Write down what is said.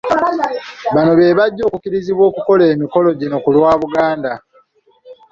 Bano be bajja okukkirizibwa okukola emikolo gino ku lwa Buganda.